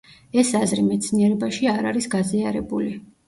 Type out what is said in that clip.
ეს აზრი მეცნიერებაში არ არის გაზიარებული.